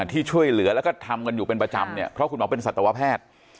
ที่ช่วยเหลือแล้วก็ทำกันอยู่เป็นประจำเนี่ยเพราะคุณหมอเป็นสัตวแพทย์